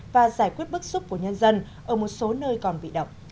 và giải quyết bức xúc của nhân dân ở một số nơi còn bị động